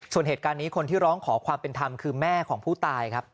ส่วนเหตุการณ์นี้คนที่ร้องขอความเป็นธรรมคือแม่ของผู้ตายครับ